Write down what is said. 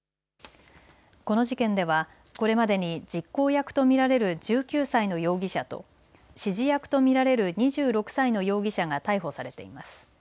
この事件ではこれまでに実行役と見られる１９歳の容疑者と指示役と見られる２６歳の容疑者が逮捕されています。